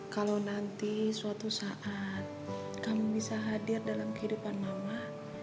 kalau nanti suatu saat kamu bisa hadir dalam kehidupan mama